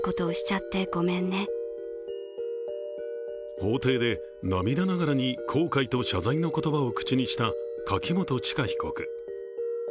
法廷で、涙ながらに後悔と謝罪の言葉を口にした柿本知香被告。